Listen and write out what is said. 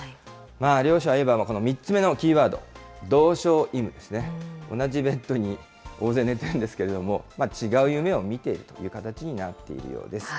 両者、いわば、３つ目のキーワード、同床異夢ですね、同じベッドに大勢寝ているんですけれども、違う夢を見ているという形になっているようです。